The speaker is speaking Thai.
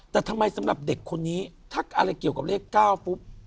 แต่ทำไมสำหรับเด็กคนนี้ถ้าอะไรเกี่ยวกับเลข๙ปุ๊บ